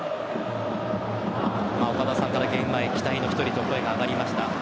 岡田さんからゲーム前期待の１人と声が上がりました。